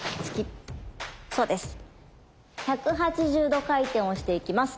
１８０度回転をしていきます。